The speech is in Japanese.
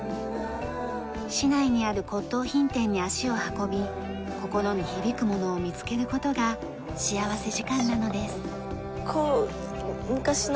市内にある骨董品店に足を運び心に響くものを見つける事が幸福時間なのです。